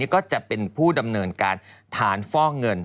ก็จะเป็นผู้ดำเนินการฐานฟอกเงิน